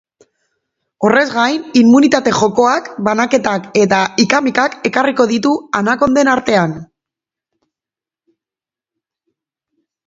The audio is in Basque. Horrez gain, inmunitate jokoak banaketak eta ika-mikak ekarriko ditu anakonden artean.